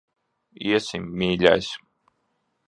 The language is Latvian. Iesim, mīļais.